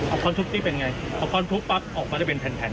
เอาคอนทุบที่เป็นไงออกมาเป็นแผ่น